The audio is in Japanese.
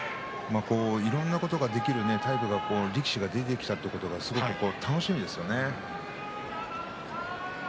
いろんなことができる力士が出てきたということが楽しみですね。